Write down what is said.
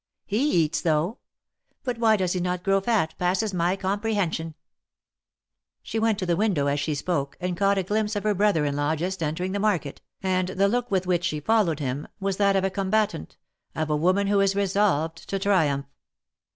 He eats, though ; but why he does not grow fat passes my comprehension !" She went to the window as she spoke, and caught a glimpse of her brother in law just entering the market, and the look with which she followed him, was that of a combatant — of a woman who is resolved to triumph.